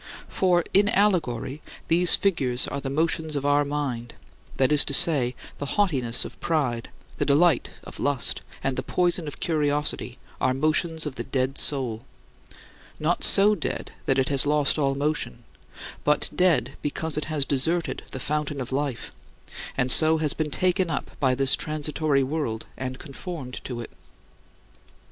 For, in allegory, these figures are the motions of our mind: that is to say, the haughtiness of pride, the delight of lust, and the poison of curiosity are motions of the dead soul not so dead that it has lost all motion, but dead because it has deserted the fountain of life, and so has been taken up by this transitory world and conformed to it.